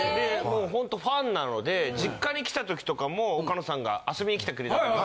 ・もうほんとファンなので実家に来た時とかも岡野さんが遊びに来てくれたりとか。